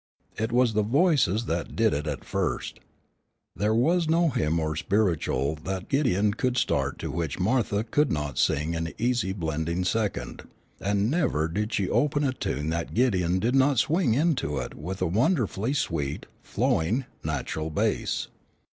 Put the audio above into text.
It was the voices that did it at first. There was no hymn or "spiritual" that Gideon could start to which Martha could not sing an easy blending second, and never did she open a tune that Gideon did not swing into it with a wonderfully sweet, flowing, natural bass.